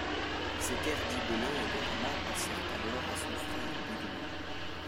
Ses terres d'Ibelin et de Rama passèrent alors à son frère Baudouin.